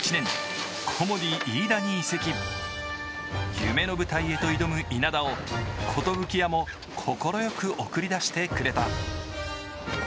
夢の舞台へと挑む稲田をコトブキヤも快く送り出してくれた。